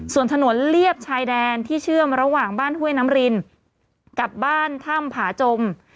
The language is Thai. ส่วนถนนเลียบชายแดนที่เชื่อมระหว่างบ้านห้วยน้ำรินกับบ้านถ้ำผาจม